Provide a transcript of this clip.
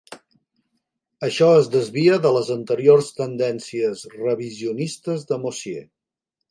Això es desvia de les anteriors tendències revisionistes de Mosier.